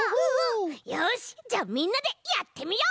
よしじゃあみんなでやってみよう！